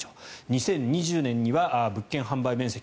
２０２０年には物件販売面積